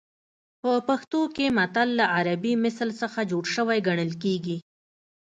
په پښتو کې متل له عربي مثل څخه جوړ شوی ګڼل کېږي